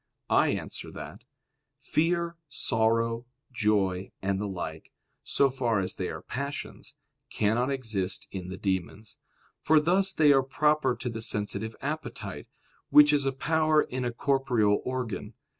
I answer that, Fear, sorrow, joy, and the like, so far as they are passions, cannot exist in the demons; for thus they are proper to the sensitive appetite, which is a power in a corporeal organ.